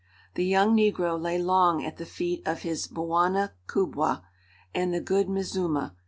The young negro lay long at the feet of his "Bwana kubwa" and the "Good Mzimu."